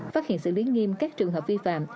phát hiện xử lý nghiêm các trường hợp vi phạm